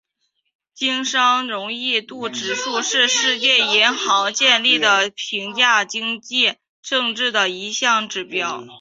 经商容易度指数是世界银行建立的评价经济政策的一项指标。